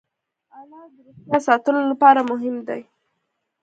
انار د روغتیا ساتلو لپاره مهم دی.